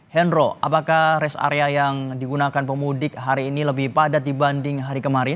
hendro apakah rest area yang digunakan pemudik hari ini lebih padat dibanding hari kemarin